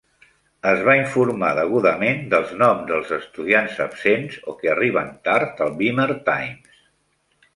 Es va informar degudament dels noms dels estudiants absents o que arriben tard al Beemer Times.